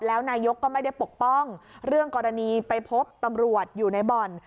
แล้วนายกก็ไม่ได้ปกป้องเรื่องกรณีไปพบตำรวจอยู่ในบ่อน